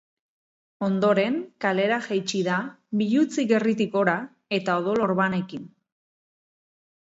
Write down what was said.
Ondoren, kalera jaitsi da, biluzik gerritik gora, eta odol orbanekin.